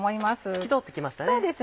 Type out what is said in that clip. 透き通ってきましたね。